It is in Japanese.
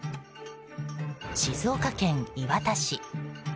静岡県磐田市。